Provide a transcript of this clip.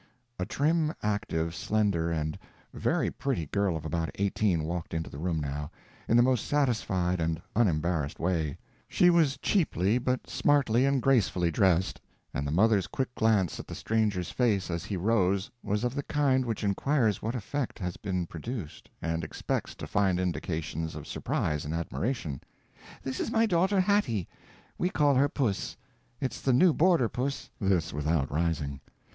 A trim, active, slender and very pretty girl of about eighteen walked into the room now, in the most satisfied and unembarrassed way. She was cheaply but smartly and gracefully dressed, and the mother's quick glance at the stranger's face as he rose, was of the kind which inquires what effect has been produced, and expects to find indications of surprise and admiration. "This is my daughter Hattie—we call her Puss. It's the new boarder, Puss." This without rising.